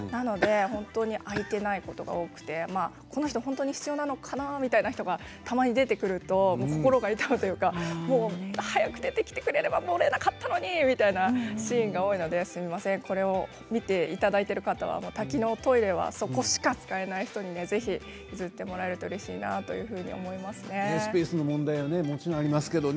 空いていないことが多くてこの人本当に必要なのかなみたいな人がたまに出てくると心が痛むというか早く出てきてくれれば漏れなかったのにみたいなシーンが多いのですみません、これを見ていただいている方は多機能トイレはそこしか使えない人にぜひ譲ってもらえるとうれしいなとスペースの問題がもちろんありますけどね。